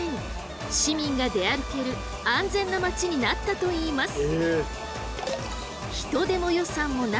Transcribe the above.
市民が出歩ける安全な街になったといいます。